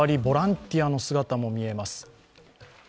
ボランティアの姿も見えます。